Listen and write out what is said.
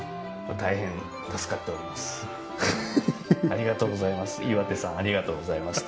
大変助かっております。